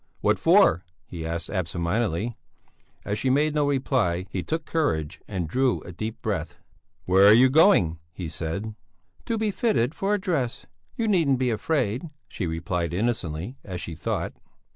"What for?" he asked, absent mindedly. As she made no reply, he took courage and drew a deep breath. "Where are you going?" he said. "To be fitted for a dress; you needn't be afraid," she replied, innocently, as she thought.